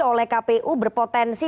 oleh kpu berpotensi